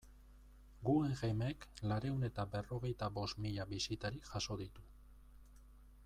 Guggenheimek laurehun eta berrogeita bost mila bisitari jaso ditu.